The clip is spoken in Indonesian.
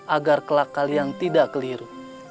agar kelak kalian tidak keliru